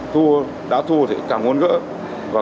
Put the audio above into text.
thua đã thua thì không có đối tượng nào thắng cả